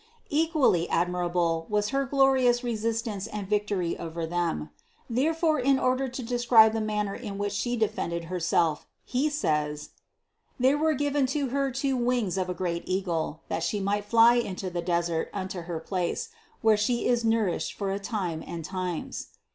Equally admirable, was her glorious resistance and victory over them. Therefore in order to describe the manner in which She defended Herself, he says : "There were given to her two wings of a great eagle, that she might fly into the desert unto her place, where she is nourished for a time and times."